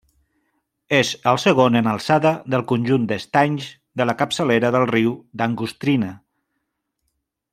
És el segon en alçada del conjunt d'estanys de la capçalera del Riu d'Angostrina.